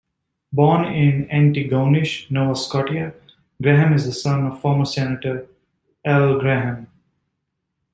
Born in Antigonish, Nova Scotia, Graham is the son of former senator Al Graham.